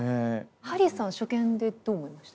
ハリーさんは初見でどう思いました？